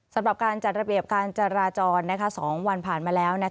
สำหรับการจัดระเบียบการจราจร๒วันผ่านมาแล้ว